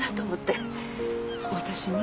私に？